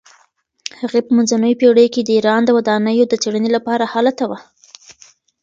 هغې په منځنیو پیړیو کې د ایران د ودانیو د څیړنې لپاره هلته وه.